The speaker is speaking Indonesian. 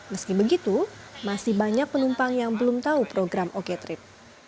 meski begitu masih banyak penumpang yang belum tahu program oko trip